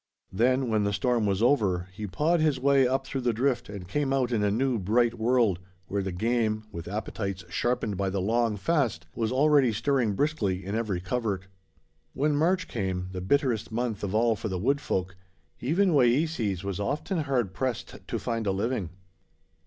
Then, when the storm was over, he pawed his way up through the drift and came out in a new, bright world, where the game, with appetites sharpened by the long fast, was already stirring briskly in every covert. When March came, the bitterest month of all for the Wood Folk, even Wayeeses was often hard pressed to find a living.